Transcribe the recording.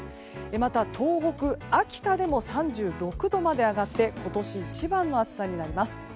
また東北、秋田でも３６度まで上がって今年一番の暑さになります。